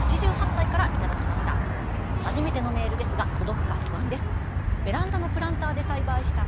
８８歳からいただきました。